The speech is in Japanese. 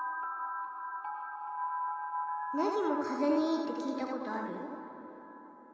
ネギも風邪にいいって聞いたことあるよ。